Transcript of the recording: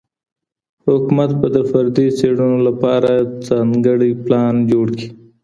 حکومت به د فردي څېړنو لپاره ځانګړی پلان جوړ کړي.